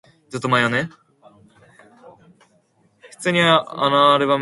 Places nearby include Market Harborough, Little Bowden, Sutton Bassett, Foxton and Thorpe Langton.